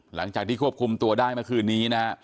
หลังจากที่ควบคุมตัวได้เมื่อคืนนี้นะฮะ